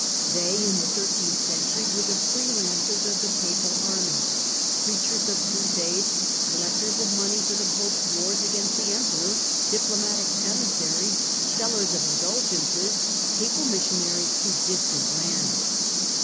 They, in the thirteenth century, were the "free lances " of the papal army, preachers of crusades, collec I THE COMING OF THE FRIARS 233 tors of money for the Pope's wars against the Emperor, diplomatic emissaries, sellers of indulgences, papal mis sionaries to distant lands.